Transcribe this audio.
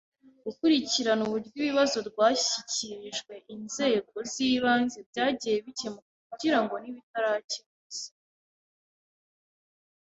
gukurikirana uburyo ibibazo rwashyikirije inzego z ibanze byagiye bikemuka kugira ngo n ibitarakemutse